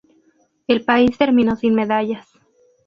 El país terminó sin medallas.